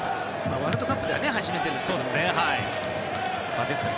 ワールドカップでは初めてですからね。